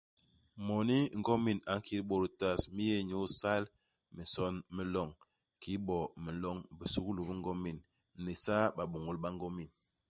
Moni ngomin a nkit bôt i tas mi yé inyu isal minson mi loñ. Kiki bo minloñ, bisuglu bi ngomin, ni isaa babôñôl ba ngomin.